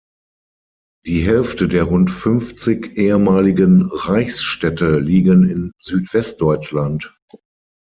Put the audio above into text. Die Hälfte der rund fünfzig ehemaligen Reichsstädte liegen in Südwestdeutschland.